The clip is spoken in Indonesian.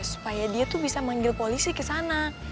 supaya dia tuh bisa manggil polisi kesana